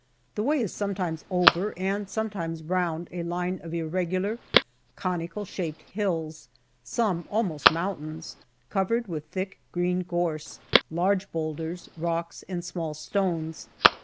The way is sometimes over and sometimes round a line of irregular, conical shaped hills, some almost mountains, covered with thick green gorse, large boulders, rocks, and small stones.